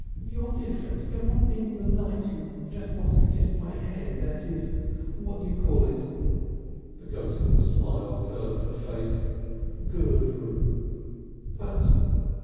You're different! Go on being the knight who wants to kiss my hand as his what did you call it?" The ghost of a smile curved her face. "Gurdrum!" "But